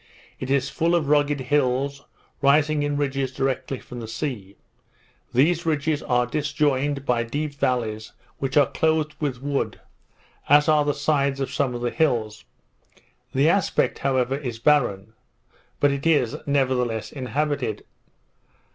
It is full of rugged hills, rising in ridges directly from the sea; these ridges are disjoined by deep vallies which are clothed with wood, as are the sides of some of the hills; the aspect, however, is barren; but it is, nevertheless, inhabited.